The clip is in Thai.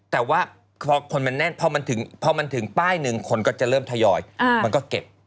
แต่ว่าพอคนมันแน่นพอมันถึงป้ายหนึ่งคนก็จะเริ่มทยอยมันก็เก็บ